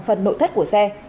phần nội thất của xe